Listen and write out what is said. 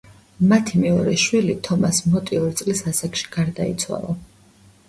მათი მეორე შვილი, თომას მოტი ორი წლის ასაკში გარდაიცვალა.